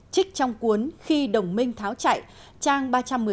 trích trong cuốn khi đồng minh tháo chạy trang ba trăm một mươi bốn ba trăm một mươi năm